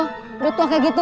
udah tua kayak gitu